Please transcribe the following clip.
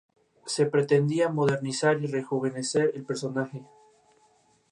Aún hoy, es la historieta más duradera, vendida y popular en Italia.